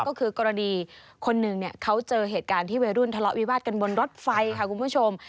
ก็คือกรณีคนหนึ่งเนี่ยเขาเจอเหตุการณ์ที่วัยรุ่นทะเลาะวิวาสกันบนรถไฟค่ะคุณผู้ชม